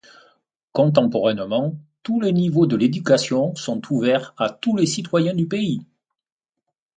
Contemporainement, tous les niveaux de l'éducation sont ouverts à tous les citoyens du pays.